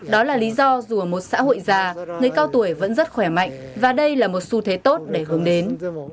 đó là lý do dù ở một xã hội già người cao tuổi vẫn rất khỏe mạnh và đây là một xu thế tốt để hướng đến